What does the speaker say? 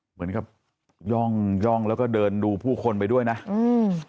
เหมือนกับย่องย่องแล้วก็เดินดูผู้คนไปด้วยนะอืม